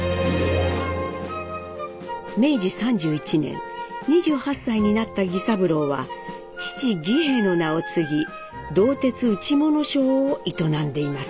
明治３１年２８歳になった儀三郎は父儀平の名を継ぎ「銅鉄打物商」を営んでいます。